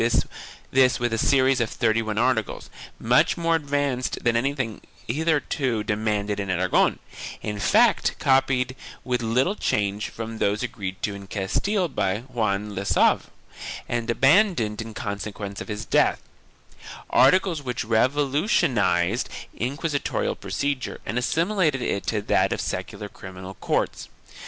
276 THE KINGDOMS OF AEAGON [BOOK I coupled this with a series of thirty one articles, much more advanced than anything hitherto demanded in Aragon — in fact copied with little change from those agreed to in Castile by Jean le Sauvage and abandoned in consequence of his death — articles which revolutionized inquisitorial procedure and assimilated it to that of the secular criminal courts.